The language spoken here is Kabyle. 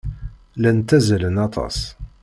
Llan ttazzalen aṭas.